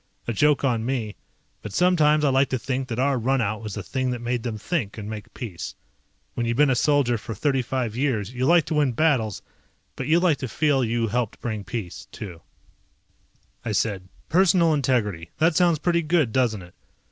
A joke on me, but sometimes I like to think that our runout was the thing that made them think and make peace. When you've been a soldier for thirty five years you like to win battles, but you like to feel you helped bring peace, too. I said, "Personal integrity. That sounds pretty good, doesn't it?